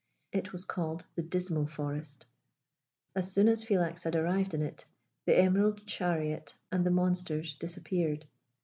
It was called the Dismal Forest. As soon as Philax had arrived in it, the emerald chariot and the monsters disappeared.